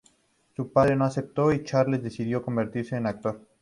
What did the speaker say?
Su padre no aceptó y Charles decidió convertirse en actor.